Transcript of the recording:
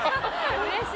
うれしい。